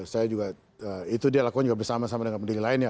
saya juga itu dia lakukan juga bersama sama dengan pendiri lainnya